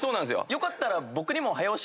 よかったら。